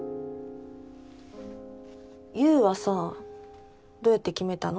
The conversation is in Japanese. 悠はさどうやって決めたの？